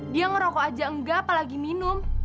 dia ngerokok aja enggak apalagi minum